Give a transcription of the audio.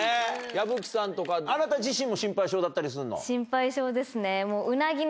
矢吹さんとかあなた自身も心配性だったりするの？